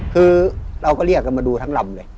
คือเราก็เรียกกันมาดูทั้งลำเลย